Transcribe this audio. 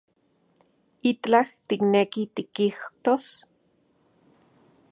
¿Itlaj tikneki tikijtos?